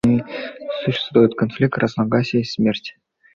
Существуют конфликты, разногласия и смерть.